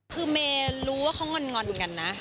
คือเมย์รู้ว่าเขางอนกันนะ